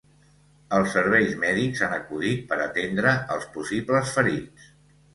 Els serveis mèdics han acudit per atendre els possibles ferits.